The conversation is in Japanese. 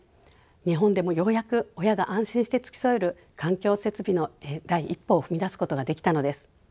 日本でもようやく親が安心して付き添える環境設備の第一歩を踏み出すことができたのです。